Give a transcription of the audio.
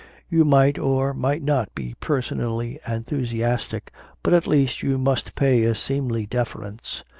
You might or might not be personally enthusiastic, but at least you must pay a seemly deference.